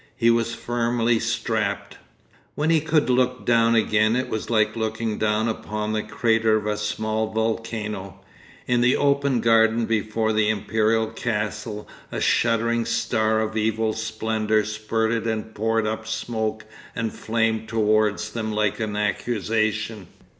He was firmly strapped.... When he could look down again it was like looking down upon the crater of a small volcano. In the open garden before the Imperial castle a shuddering star of evil splendour spurted and poured up smoke and flame towards them like an accusation.